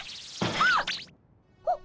あっ！